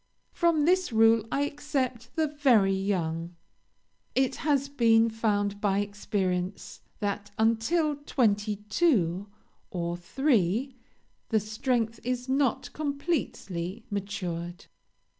From this rule I except the very young. It has been found by experience that until twenty two or three the strength is not completely matured.